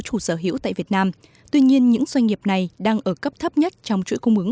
chủ sở hữu tại việt nam tuy nhiên những doanh nghiệp này đang ở cấp thấp nhất trong chuỗi cung ứng